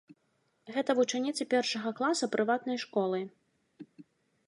Гэта вучаніцы першага класа прыватнай школы.